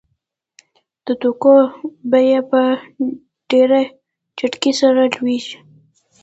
د توکو بیه په ډېره چټکۍ سره لوړېږي